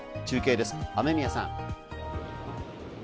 中継です、雨宮さん。